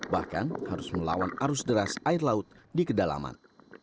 bahkan harus melawan arus deras air laut di kedalaman